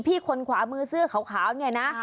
พี่คนขวามือเสื้อขาวนี่ไงนะ